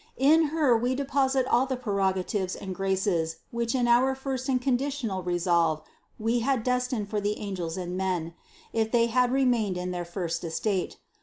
In Her We deposit all the preroga tives and graces which in our first and conditional re solve We had destined for the angels and men, if they had remained in their first estate.